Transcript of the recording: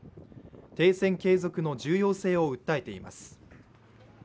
停戦継続の重要性を訴えています。